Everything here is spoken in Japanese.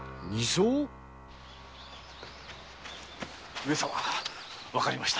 上様わかりました。